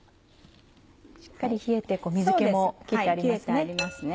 しっかり冷えて水気も切ってありますね。